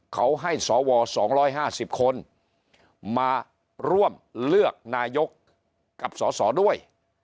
เขาให้สอวอสองร้อยห้าสิบคนมาร่วมเลือกนายกกับสอสอด้วย